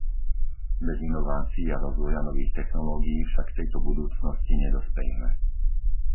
Bez inovácií a rozvoja nových technológií však k tejto budúcnosti nedospejeme.